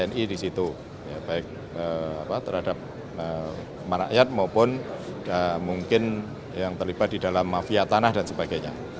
tni di situ baik terhadap merakyat maupun mungkin yang terlibat di dalam mafia tanah dan sebagainya